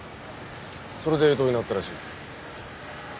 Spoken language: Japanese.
それで異動になったらしい。